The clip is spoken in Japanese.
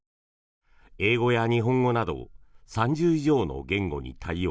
英語や日本語など３０以上の言語に対応。